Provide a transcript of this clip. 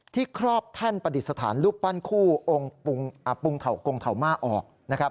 ที่ครอบแท่นปฏิสถานรูปปั้นคู่องค์ปุงเทากงเทามาออก